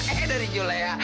eh dari juleha